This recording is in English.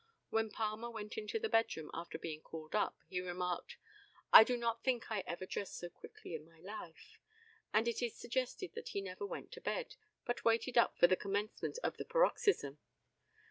When Palmer went into the bedroom after being called up, he remarked, "I do not think I ever dressed so quickly in my life," and it is suggested that he never went to bed, but waited up for the commencement of the paroxysm.